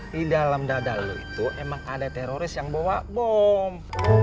di dalam dada lo itu emang ada teroris yang bawa bom